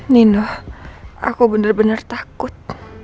nino aku benar benar takut